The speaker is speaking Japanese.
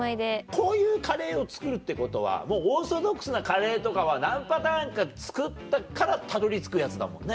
こういうカレーを作るってことはもうオーソドックスなカレーとかは何パターンか作ったからたどり着くやつだもんね。